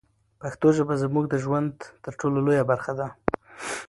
پښتو ژبه زموږ د ژوند تر ټولو لویه برخه ده.